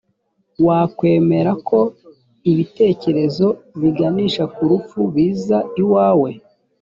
wakwemera ko ibitekerezo biganisha kurupfu biza iwawe